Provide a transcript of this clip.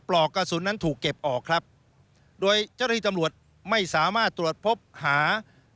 ปลอกกระสุนนั้นถูกเก็บออกครับโดยเจ้าหน้าที่ตำรวจไม่สามารถตรวจพบหา